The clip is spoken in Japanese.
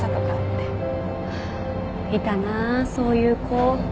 いたなそういう子。